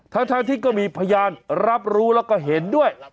ทั้งที่ก็มีพยานรับรู้แล้วก็เห็นด้วย